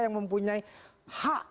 yang mempunyai hak